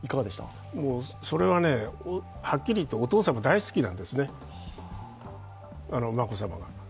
それはね、はっきり言ってお父様大好きなんですね、眞子さまが。